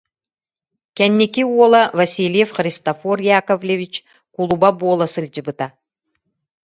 Кэнники уола Васильев Христофор Яковлевич кулуба буола сылдьыбыта